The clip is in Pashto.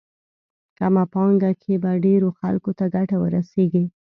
کمه پانګه کې به ډېرو خلکو ته ګټه ورسېږي.